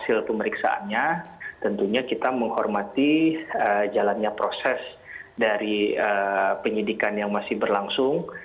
hasil pemeriksaannya tentunya kita menghormati jalannya proses dari penyidikan yang masih berlangsung